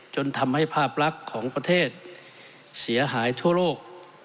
จนทำให้ภาพลักษณ์ของประเทศเสียหายทั่วโลก